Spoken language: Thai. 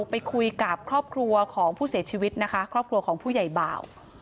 ไปคุยกับครอบครัวของผู้เสียชีวิตนะคะครอบครัวของผู้ใหญ่บ่าว